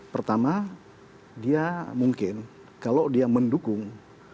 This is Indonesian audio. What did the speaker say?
pertama dia mungkin kalau dia mendukung